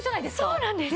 そうなんです。